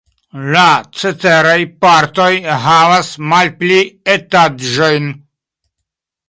La ceteraj partoj havas malpli etaĝojn.